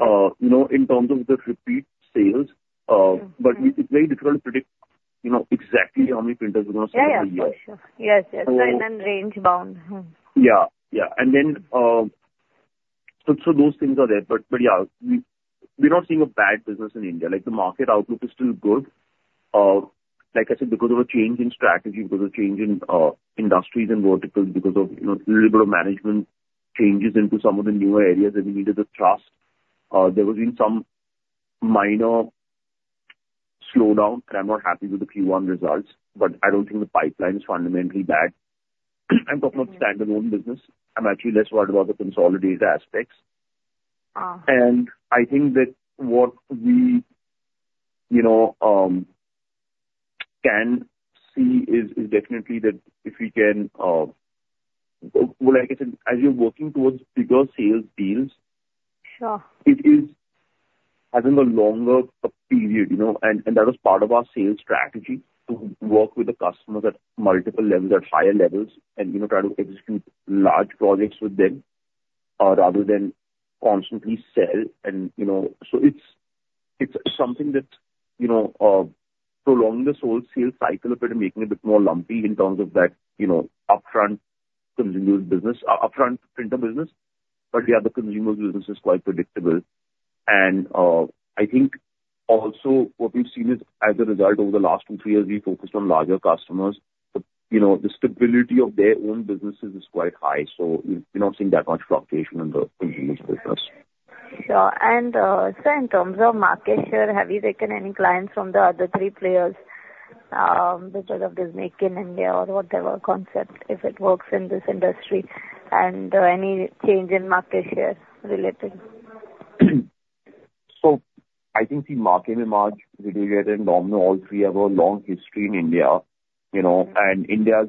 [SPEAKER 5] you know, in terms of the repeat sales.
[SPEAKER 6] Mm-hmm.
[SPEAKER 5] but it, it's very difficult to predict, you know, exactly how many printers we're gonna sell every year.
[SPEAKER 6] Yeah, yeah. For sure. Yes, yes.
[SPEAKER 5] So-
[SPEAKER 6] And then range bound. Mm.
[SPEAKER 5] Yeah, yeah. And then, so those things are there. But yeah, we're not seeing a bad business in India. Like, the market outlook is still good. Like I said, because of a change in strategy, because of change in industries and verticals, because of, you know, little bit of management changes into some of the newer areas that we needed to trust, there has been some minor slowdown, and I'm not happy with the Q1 results, but I don't think the pipeline is fundamentally bad. I'm talking about standalone business. I'm actually less worried about the consolidated aspects.
[SPEAKER 6] Uh.
[SPEAKER 5] And I think that what we, you know, can see is definitely that if we can, well, like I said, as you're working towards bigger sales deals-
[SPEAKER 6] Sure.
[SPEAKER 5] It is having a longer period, you know, and that was part of our sales strategy, to work with the customers at multiple levels, at higher levels, and, you know, try to execute large projects with them, rather than constantly sell and, you know. So it's something that, you know, prolonging this whole sales cycle a bit and making a bit more lumpy in terms of that, you know, upfront consumer business, upfront printer business. But yeah, the consumer business is quite predictable. I think also what we've seen is, as a result, over the last two, three years, we've focused on larger customers. But, you know, the stability of their own businesses is quite high, so we're not seeing that much fluctuation in the business.
[SPEAKER 6] Sure. And, so in terms of market share, have you taken any clients from the other three players, because of this Make in India or whatever concept, if it works in this industry, and any change in market share related?
[SPEAKER 5] So I think the Markem-Imaje, Digital and Domino, all three have a long history in India, you know, and India is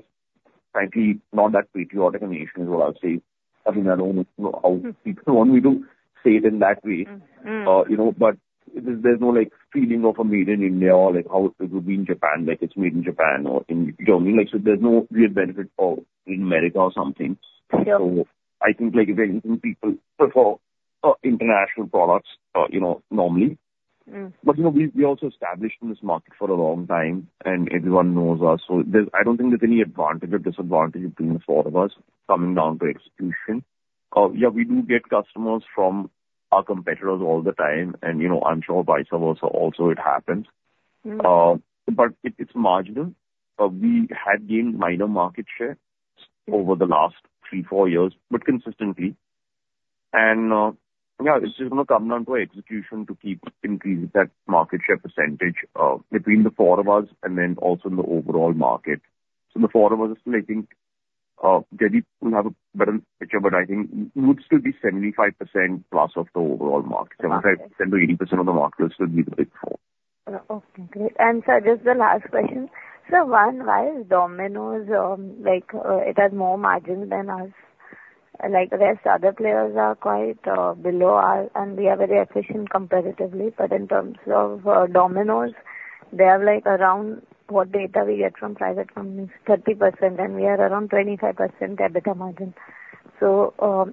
[SPEAKER 5] frankly not that patriotic a nation is what I would say. I mean, I don't know how people... We don't say it in that way.
[SPEAKER 6] Mm-hmm.
[SPEAKER 5] You know, but there's no, like, feeling of a Made in India or like how it would be in Japan, like it's Made in Japan or in Germany. Like, so there's no real benefit of in America or something.
[SPEAKER 6] Yeah.
[SPEAKER 5] I think, like, if anything, people prefer international products, you know, normally.
[SPEAKER 6] Mm.
[SPEAKER 5] you know, we, we're also established in this market for a long time, and everyone knows us, so there's. I don't think there's any advantage or disadvantage between the four of us coming down to execution. Yeah, we do get customers from our competitors all the time, and, you know, I'm sure vice versa also it happens.
[SPEAKER 6] Mm.
[SPEAKER 5] But it, it's marginal. We had gained minor market share over the last three, four years, but consistently. And, yeah, it's just gonna come down to execution to keep increasing that market share percentage, between the four of us and then also in the overall market. So the four of us, I think, Jaideep will have a better picture, but I think we would still be 75% plus of the overall market.
[SPEAKER 6] Okay.
[SPEAKER 5] 70%-80% of the market will still be the big four.
[SPEAKER 6] Okay, great. And, sir, just the last question. So one, why is Domino's, like, it has more margin than us? Like, the rest other players are quite below us, and we are very efficient comparatively. But in terms of Domino's, they have, like, around what data we get from private companies, 30%, and we are around 25% EBITDA margin. So,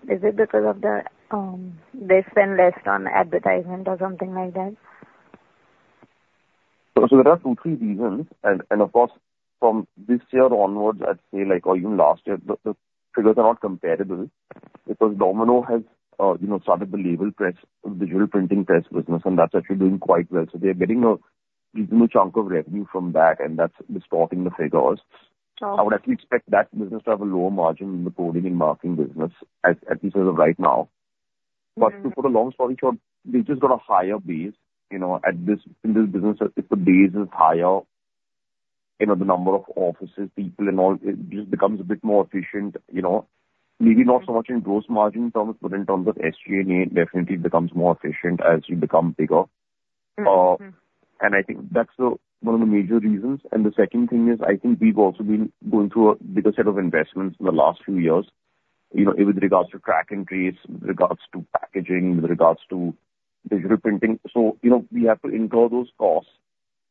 [SPEAKER 6] is it because of the, they spend less on advertisement or something like that?
[SPEAKER 5] So there are two, three reasons. And, and of course, from this year onwards, I'd say, like or even last year, the, the figures are not comparable because Domino has, you know, started the label press, digital printing press business, and that's actually doing quite well. So they're getting a reasonable chunk of revenue from that, and that's distorting the figures.
[SPEAKER 6] Sure.
[SPEAKER 5] I would actually expect that business to have a lower margin than the coding and marking business, at least as of right now.
[SPEAKER 6] Mm.
[SPEAKER 5] But to put a long story short, they've just got a higher base, you know, at this, in this business, if the base is higher, you know, the number of offices, people and all, it just becomes a bit more efficient, you know. Maybe not so much in gross margin terms, but in terms of SG&A, it definitely becomes more efficient as you become bigger.
[SPEAKER 6] Mm-hmm.
[SPEAKER 5] And I think that's the one of the major reasons. And the second thing is, I think we've also been going through a bigger set of investments in the last few years, you know, with regards to track and trace, with regards to packaging, with regards to digital printing. So, you know, we have to incur those costs,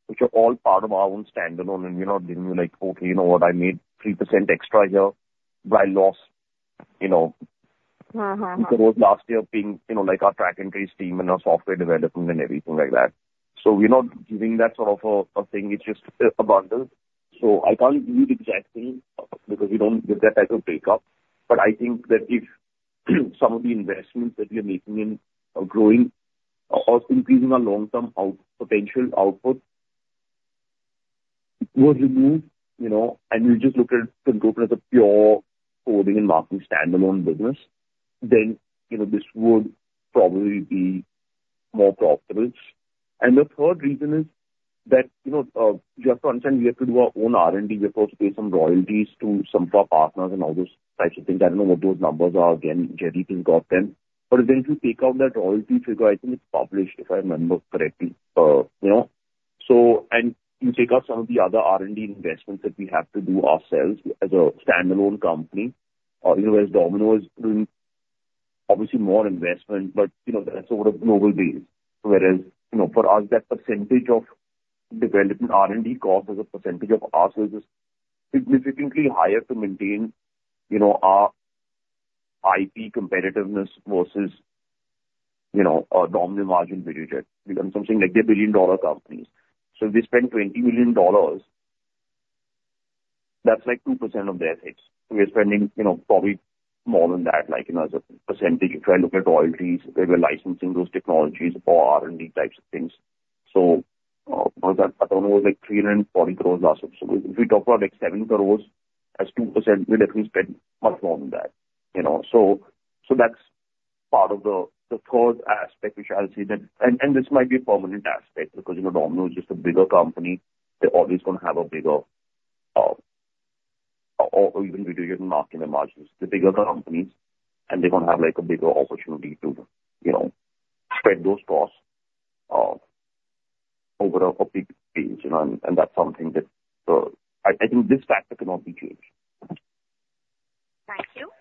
[SPEAKER 5] which are all part of our own standalone, and we're not giving you, like, okay, you know what? I made 3% extra here, but I lost, you know-
[SPEAKER 6] Uh, uh, uh.
[SPEAKER 5] Because last year being, you know, like our track and trace team and our software development and everything like that. So we're not giving that sort of a thing. It's just a bundle. So I can't give you the exact thing, because we don't get that type of breakup. But I think that if some of the investments that we are making in are growing or increasing our long-term output potential were removed, you know, and you just looked at the group as a pure coding and marking standalone business, then, you know, this would probably be more profitable. And the third reason is that, you know, you have to understand, we have to do our own R&D. We have to pay some royalties to some of our partners and all those types of things. I don't know what those numbers are. Again, Jerry can drop them. But then if you take out that royalty figure, I think it's published, if I remember correctly, you know, so... And you take out some of the other R&D investments that we have to do ourselves as a standalone company, whereas Domino's doing obviously more investment, but you know, that's over a global base. Whereas, you know, for us, that percentage of development, R&D cost as a percentage of our sales is significantly higher to maintain, you know, our IP competitiveness versus, you know, Domino, Markem and Digital. Because I'm saying, like, they're billion-dollar companies, so if they spend $20 million-... That's like 2% of their hits. We are spending, you know, probably more than that, like, you know, as a percentage, if you look at royalties, where we're licensing those technologies for R&D types of things. So, I don't know, like, 340 crore last year. So if we talk about, like, 7 crore as 2%, we literally spend much more than that, you know. So that's part of the third aspect, which I'll say that-- and this might be a permanent aspect, because, you know, Domino's is just a bigger company. They're always gonna have a bigger, or even margin, the margins, the bigger companies, and they're gonna have, like, a bigger opportunity to, you know, spread those costs over a big piece, you know, and that's something that I think this factor cannot be changed.
[SPEAKER 1] Thank you.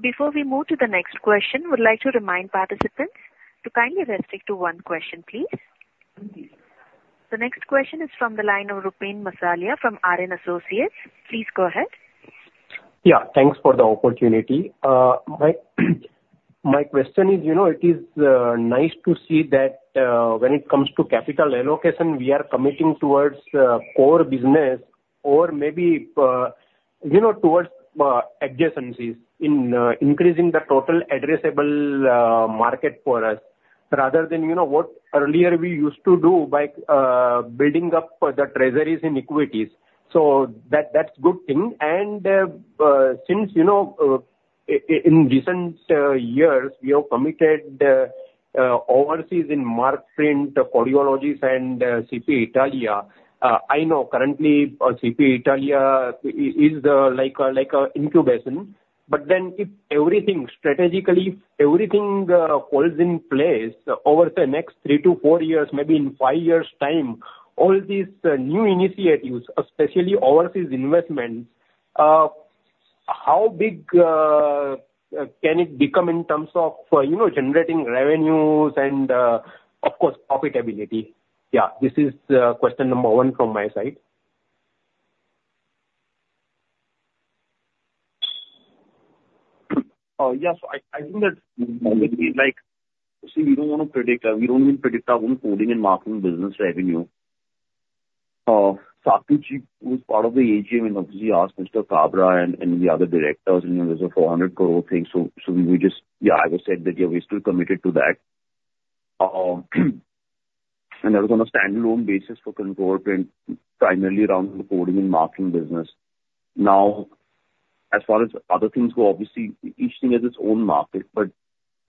[SPEAKER 1] Before we move to the next question, I would like to remind participants to kindly restrict to one question, please. The next question is from the line of Rupen Masalia from RN Associates. Please go ahead.
[SPEAKER 7] Yeah, thanks for the opportunity. My question is, you know, it is nice to see that, when it comes to capital allocation, we are committing towards core business or maybe, you know, towards adjacencies in increasing the total addressable market for us, rather than, you know, what earlier we used to do by building up the treasuries in equities. So that's a good thing. And since, you know, in recent years, we have committed overseas in Markprint, Codeology and CP Italia. I know currently, CP Italia is like an incubator, but then if everything, strategically, everything falls in place over the next three to four years, maybe in five years' time, all these new initiatives, especially overseas investments, how big can it become in terms of, you know, generating revenues and, of course, profitability? Yeah, this is question number one from my side.
[SPEAKER 5] Yes, I think that's like. See, we don't wanna predict. We don't even predict our own coding and marking business revenue. Saket, who's part of the AGM, and obviously you asked Mr. Kabra and the other directors, you know, there's an 400 crore thing. So we just. Yeah, I would say that, yeah, we're still committed to that. And that was on a standalone basis for Control Print, primarily around the coding and marking business. Now, as far as other things go, obviously, each thing has its own market, but,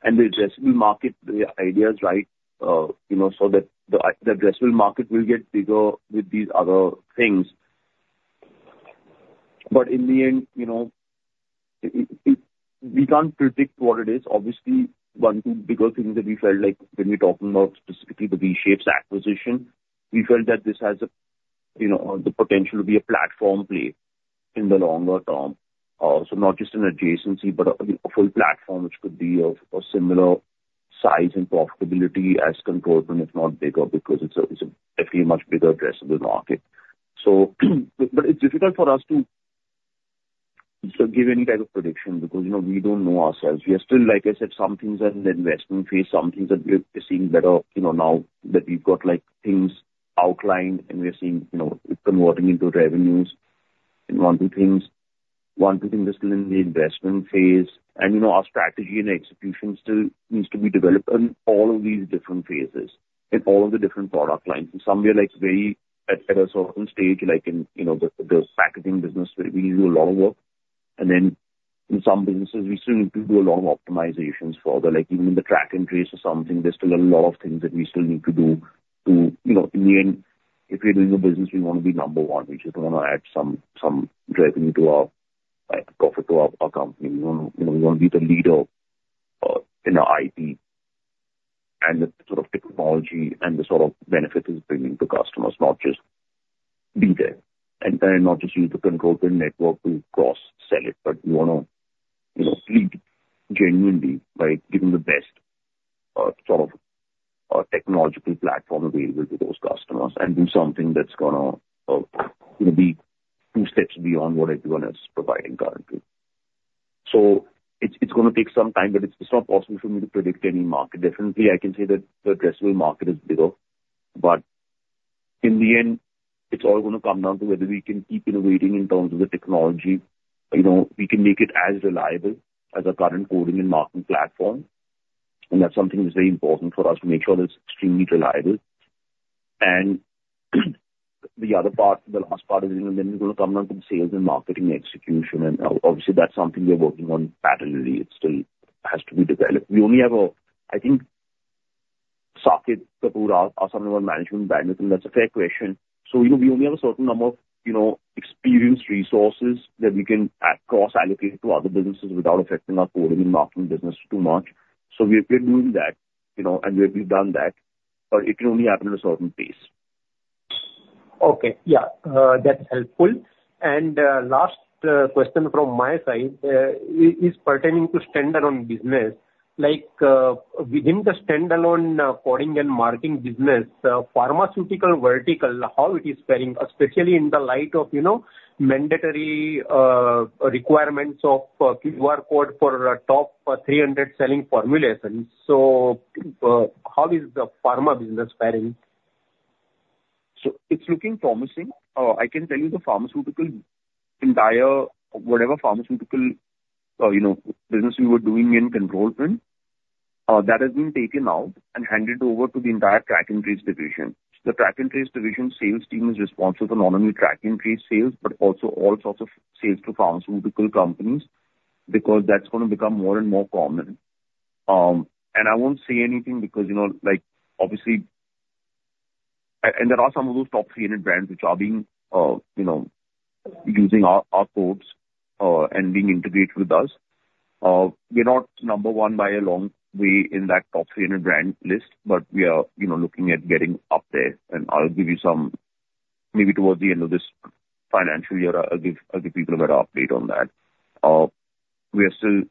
[SPEAKER 5] and the addressable market, the idea is right, you know, so that the addressable market will get bigger with these other things. But in the end, you know, it, we can't predict what it is. Obviously, one, two bigger things that we felt like when we're talking about specifically the V-Shapes acquisition, we felt that this has a, you know, the potential to be a platform play in the longer term. So not just an adjacency, but a, a full platform which could be of a similar size and profitability as Control Print, if not bigger, because it's a, it's a definitely much bigger addressable market. So, but it's difficult for us to give any type of prediction because, you know, we don't know ourselves. We are still, like I said, some things are in the investment phase, some things that we are seeing better, you know, now that we've got, like, things outlined and we are seeing, you know, it converting into revenues in one, two things. One, two things are still in the investment phase, and, you know, our strategy and execution still needs to be developed in all of these different phases, in all the different product lines. In some we are, like, very at a certain stage, like in, you know, the packaging business, where we do a lot of work, and then in some businesses, we still need to do a lot of optimizations for the... Like, even in the track and trace or something, there's still a lot of things that we still need to do to, you know, in the end, if we're doing a business, we wanna be number one. We just wanna add some revenue to our profit to our company. We want to, you know, we want to be the leader in our IT and the sort of technology and the sort of benefit it's bringing to customers, not just be there, and not just use the Control Print network to cross-sell it, but we wanna, you know, lead genuinely by giving the best sort of technological platform available to those customers and do something that's gonna be two steps beyond what everyone else is providing currently. So it's gonna take some time, but it's not possible for me to predict any market. Definitely, I can say that the addressable market is bigger, but in the end, it's all gonna come down to whether we can keep innovating in terms of the technology. You know, we can make it as reliable as our current coding and marking platform, and that's something that's very important for us to make sure it's extremely reliable. And the other part, the last part is, you know, then we're gonna come down to the sales and marking execution, and obviously, that's something we're working on parallelly. It still has to be developed. I think, Saket Kapoor, our senior management bandwidth, and that's a fair question. So, you know, we only have a certain number of, you know, experienced resources that we can cross-allocate to other businesses without affecting our coding and marking business too much. So we're doing that, you know, and we've done that, but it can only happen at a certain pace.
[SPEAKER 7] Okay. Yeah, that's helpful. And, last, question from my side, is pertaining to standalone business. Like, within the standalone, coding and marking business, pharmaceutical vertical, how it is faring, especially in the light of, you know, mandatory, requirements of, QR code for, top 300 selling formulations. So, how is the pharma business faring? ...
[SPEAKER 5] It's looking promising. I can tell you the pharmaceutical, entire, whatever pharmaceutical, you know, business we were doing in Control Print, that has been taken out and handed over to the entire track and trace division. The track and trace division sales team is responsible for not only track and trace sales, but also all sorts of sales to pharmaceutical companies, because that's gonna become more and more common. And I won't say anything because, you know, like, obviously... and there are some of those top 300 brands which are being, you know, using our, our codes, and being integrated with us. We're not number one by a long way in that top 300 brand list, but we are, you know, looking at getting up there. I'll give you some, maybe towards the end of this financial year. I'll give, I'll give people a better update on that. We are still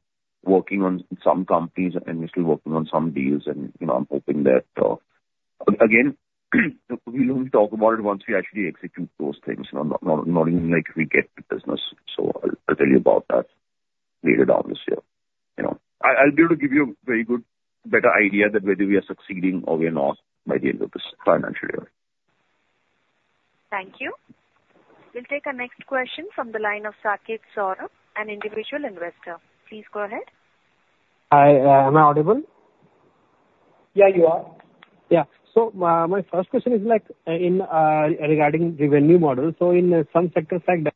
[SPEAKER 5] working on some companies, and we're still working on some deals, and, you know, I'm hoping that, again, we will talk about it once we actually execute those things, you know, not, not, not even like we get the business. So I'll, I'll tell you about that later down this year, you know. I'll be able to give you a very good better idea that whether we are succeeding or we are not, by the end of this financial year.
[SPEAKER 1] Thank you. We'll take our next question from the line of Saket Saurabh, an individual investor. Please go ahead.
[SPEAKER 8] Hi. Am I audible?
[SPEAKER 3] Yeah, you are.
[SPEAKER 8] Yeah. So my first question is like, in, regarding revenue model. So in some sectors like the-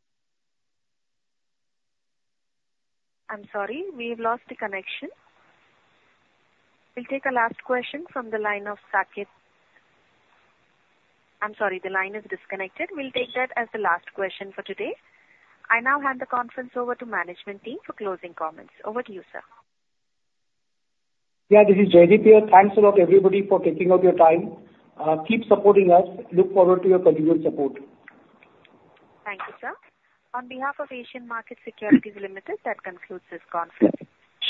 [SPEAKER 1] I'm sorry, we've lost the connection. We'll take a last question from the line of Saket. I'm sorry, the line is disconnected. We'll take that as the last question for today. I now hand the conference over to management team for closing comments. Over to you, sir.
[SPEAKER 3] Yeah, this is Jaideep here. Thanks a lot, everybody, for taking out your time. Keep supporting us. Look forward to your continued support.
[SPEAKER 1] Thank you, sir. On behalf of Asian Markets Securities Limited, that concludes this conference.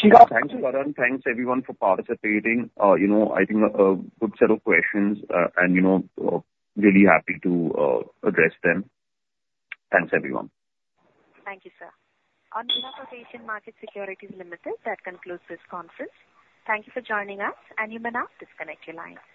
[SPEAKER 5] Thanks, Varun. Thanks, everyone, for participating. You know, I think a good set of questions, and you know, really happy to address them. Thanks, everyone.
[SPEAKER 1] Thank you, sir. On behalf of Asian Markets Securities Limited, that concludes this conference. Thank you for joining us, and you may now disconnect your lines.